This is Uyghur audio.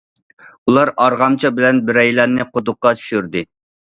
ئۇلار ئارغامچا بىلەن بىرەيلەننى قۇدۇققا چۈشۈردى.